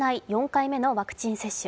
４回目のワクチン接種。